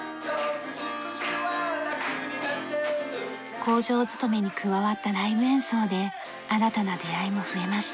工場勤めに加わったライブ演奏で新たな出会いも増えました。